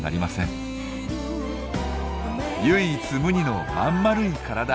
唯一無二のまんまるい体。